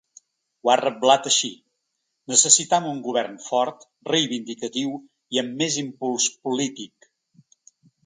Ho ha reblat així: ‘Necessitam un govern fort, reivindicatiu i amb més impuls polític.’